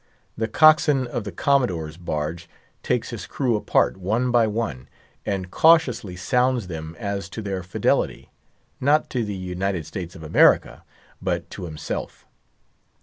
The cockswain of the Commodore's barge takes his crew apart, one by one, and cautiously sounds them as to their fidelity—not to the United States of America, but to himself.